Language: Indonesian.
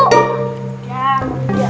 oh kianet namanya